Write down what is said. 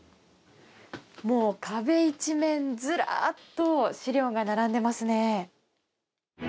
壁一面ずらっと資料が並んでいますね。